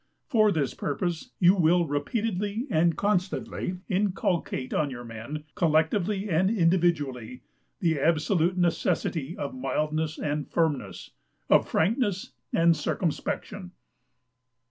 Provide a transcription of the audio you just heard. For this purpose you will repeatedly and constantly inculcate on your men, collectively and individually, the absolute necessity of mildness and firmness, of frankness and circumspection.